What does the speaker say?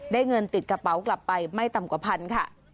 เงินติดกระเป๋ากลับไปไม่ต่ำกว่าพันค่ะ